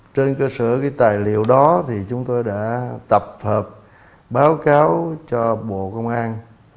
trên cơ sở cái tài liệu đó thì chúng tôi đã tập hợp báo cáo cho bộ công an